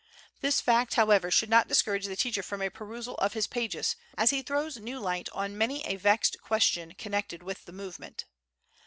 This fact, however, should not discourage the teacher from a perusal of his pages, as he throws new light on many a vexed question connected with the movement.